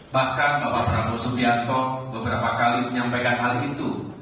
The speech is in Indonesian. bahkan bapak prabowo subianto beberapa kali menyampaikan hal itu